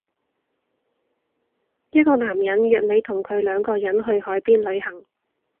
一個男人約你同佢兩個人去海邊旅行